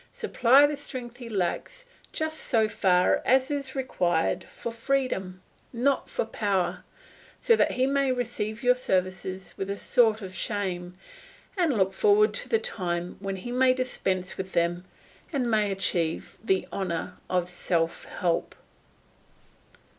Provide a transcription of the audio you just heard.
Supply the strength he lacks just so far as is required for freedom, not for power, so that he may receive your services with a sort of shame, and look forward to the time when he may dispense with them and may achieve the honour of self help.